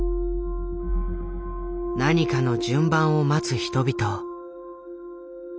何かの順番を待つ人々。